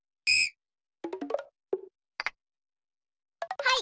はい。